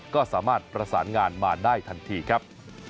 ก็สามารถประสานงานมาได้ทันทีครับ